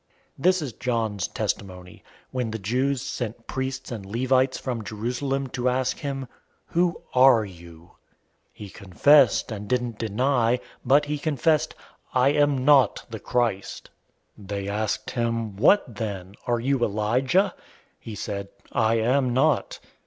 001:019 This is John's testimony, when the Jews sent priests and Levites from Jerusalem to ask him, "Who are you?" 001:020 He confessed, and didn't deny, but he confessed, "I am not the Christ." 001:021 They asked him, "What then? Are you Elijah?" He said, "I am not."